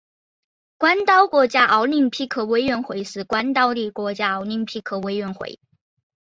关岛国家奥林匹克委员会是关岛的国家奥林匹克委员会。